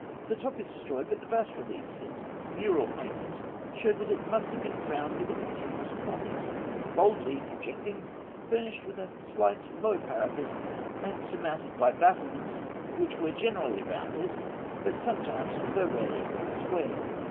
The top is destroyed, but the bas reliefs and mural paintings (fig. 28) show that it must have been crowned with a continuous cornice, boldly projecting, furnished with a slight low parapet, and surmounted by battlements, which were generally rounded, but sometimes, though rarely, squared.